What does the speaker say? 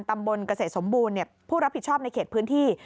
ตำบลเกษตรสมบูรณ์ผู้รับผิดชอบในเขตพื้นที่